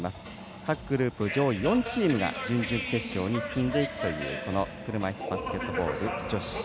各グループ上位４チームが準々決勝に進んでいくという車いすバスケットボール女子。